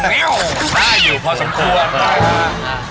กล้าอยู่เพราะสมควร